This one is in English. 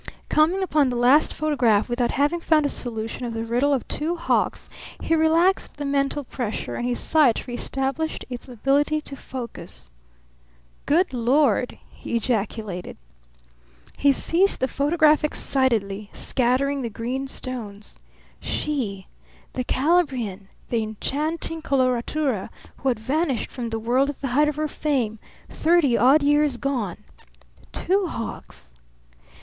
Coming upon the last photograph without having found a solution of the riddle of Two Hawks he relaxed the mental pressure; and his sight reestablished its ability to focus. "Good Lord!" he ejaculated. He seized the photograph excitedly, scattering the green stones. She! The Calabrian, the enchanting colouratura who had vanished from the world at the height of her fame, thirty odd years gone! Two Hawks!